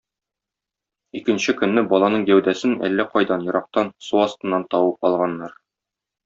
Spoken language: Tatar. Икенче көнне баланың гәүдәсен әллә кайдан ерактан, су астыннан табып алганнар.